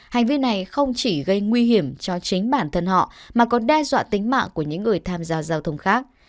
hành vi này không chỉ gây nguy hiểm cho chính bản thân họ mà còn đe dọa tính mạng của những người tham gia giao thông khác